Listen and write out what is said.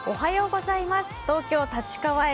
東京・立川駅